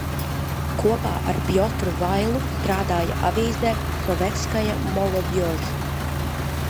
"Kopā ar Pjotru Vailu strādāja avīzē "Sovetskaja molodjož"."